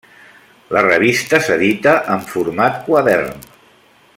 La revista s'edita amb format quadern.